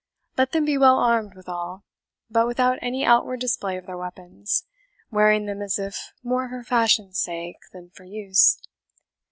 Let them be well armed withal, but without any outward display of their weapons, wearing them as if more for fashion's sake than for use.